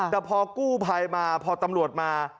แต่พอกู้ภัยมาพอตำรวจมา